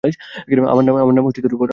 আমার নাম ট্রেভর।